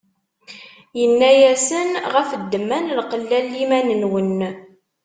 Inna-asen: Ɣef ddemma n lqella n liman-nwen.